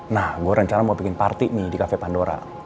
nah gue rencana mau bikin party nih di cafe pandora